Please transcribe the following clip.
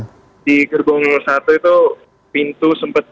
di gerbong satu itu pintu sempat